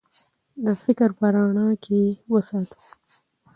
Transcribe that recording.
د فکر په رڼا کې یې وساتو.